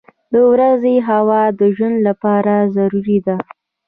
• د ورځې هوا د ژوند لپاره ضروري ده.